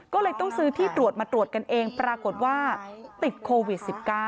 ก็เลยต้องซื้อที่ตรวจมาตรวจกันเองปรากฏว่าติดโควิด๑๙